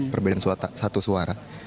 perbedaan suara satu suara